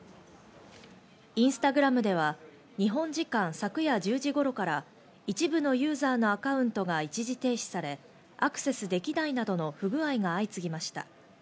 インスタグラムでは日本時間、昨夜１０時頃から一部のユーザーのアカウントが一時停止され、アクセスできないなどの不具合が相次ぎました。